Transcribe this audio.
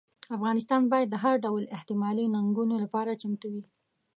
افغانستان باید د هر ډول احتمالي ننګونو لپاره چمتو وي.